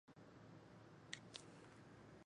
苏小小死后葬于西湖西泠桥畔。